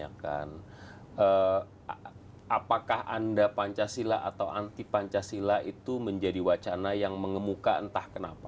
apakah anda pancasila atau anti pancasila itu menjadi wacana yang mengemuka entah kenapa